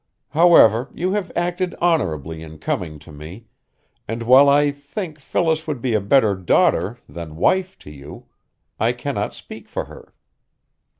However, you have acted honorably in coming to me, and while I think Phyllis would be a better daughter than wife to you, I cannot speak for her.